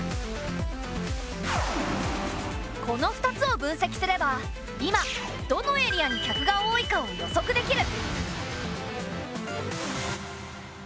この２つを分析すれば今どのエリアに客が多いかを予測できる。